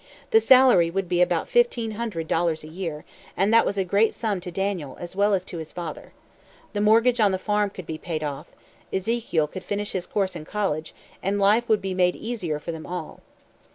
The salary would be about fifteen hundred dollars a year and that was a great sum to Daniel as well as to his father. The mortgage on the farm could be paid off; Ezekiel could finish his course in college; and life would be made easier for them all.